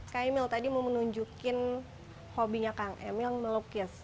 kami mau menunjukkan hobinya kang emil melukis